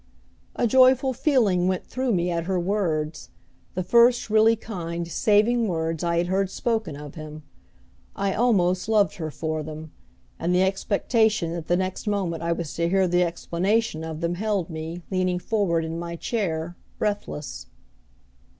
A joyful feeling went through me at her words the first really kind, saving words I had heard spoken of him. I almost loved her for them; and the expectation that the next moment I was to hear the explanation of them held me, leaning forward in my chair, breathless.